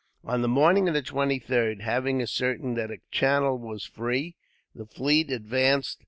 On the morning of the 23rd, having ascertained that a channel was free, the fleet advanced.